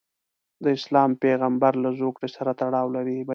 د اسلام پیغمبرله زوکړې سره تړاو لري.